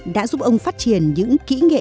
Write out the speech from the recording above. đã giúp ông phát triển những kỹ nghệ